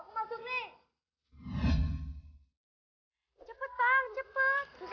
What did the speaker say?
coba di terang apa yuk